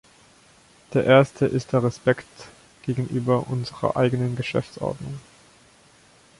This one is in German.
Der erste ist der Respekt gegenüber unserer eigenen Geschäftsordnung.